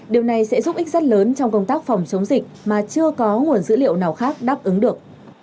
điều này sẽ giúp ích rất lớn trong công tác phòng chống dịch mà chưa có nguồn dữ liệu nào khác đáp ứng được